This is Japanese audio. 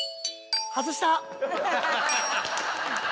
外した！